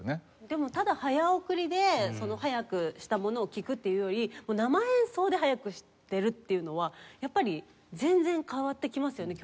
でもただ早送りで速くしたものを聴くっていうより生演奏で速くしてるっていうのはやっぱり全然変わってきますよね。